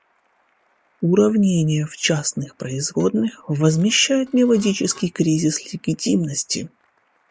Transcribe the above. Уравнение в частных производных возмещает мелодический кризис легитимности.